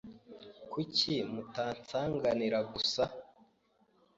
Kuki mutansanganira gusa?